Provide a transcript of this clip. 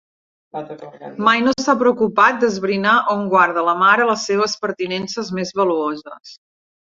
Mai no s'ha preocupat d'esbrinar on guarda la mare les seves pertinences més valuoses.